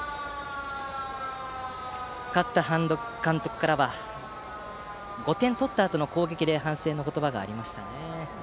勝った半田監督からは５点取ったあとの攻撃で反省の言葉がありましたね。